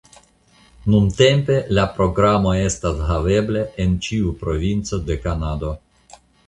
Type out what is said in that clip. Nuntempe la programo estas havebla en ĉiu provinco de Kanado.